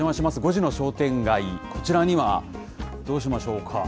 ５時の商店街、こちらには、どうしましょうか。